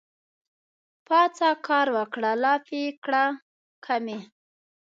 پاڅه کار وکړه لافې کړه کمې